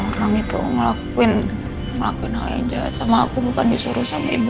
orang itu ngelakuin ngelakuin hal hijab sama aku bukan disuruh sama ibu